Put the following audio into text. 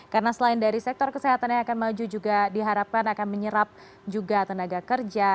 karena selain dari sektor kesehatan yang akan maju juga diharapkan akan menyerap juga tenaga kerja